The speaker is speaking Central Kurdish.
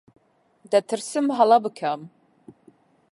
دەترسم هەڵە بکەم.